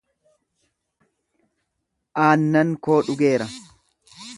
Aannan koo dhugeera.